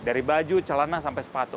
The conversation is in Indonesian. dari baju celana sampai sepatu